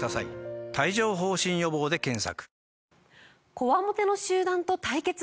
こわもての集団と対決？